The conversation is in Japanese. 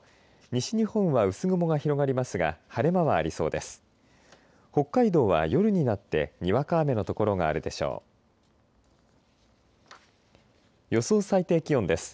西日本は薄雲が広がりますが晴れ間もありそうです。